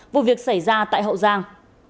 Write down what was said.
vụ việc xảy ra tại hậu giang